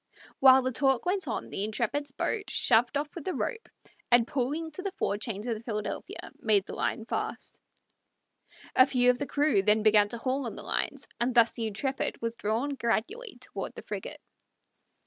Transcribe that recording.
While the talk went on the Intrepid's boat shoved off with the rope, and pulling to the fore chains of the Philadelphia, made the line fast. A few of the crew then began to haul on the lines, and thus the Intrepid was drawn gradually toward the frigate.